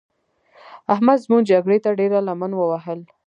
احمد موږ جګړې ته ډېره لمن ووهل.